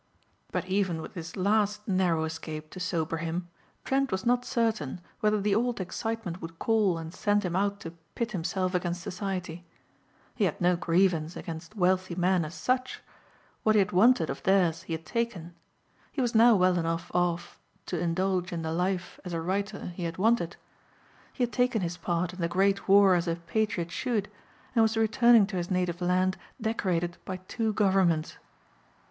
But even with this last narrow escape to sober him Trent was not certain whether the old excitement would call and send him out to pit himself against society. He had no grievance against wealthy men as such. What he had wanted of theirs he had taken. He was now well enough off to indulge in the life, as a writer, he had wanted. He had taken his part in the great war as a patriot should and was returning to his native land decorated by two governments.